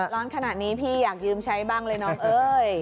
ร้อนขนาดนี้พี่อยากยืมใช้บ้างเลยน้องเอ้ย